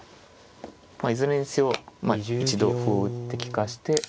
まあいずれにせよ一度歩を打って利かして。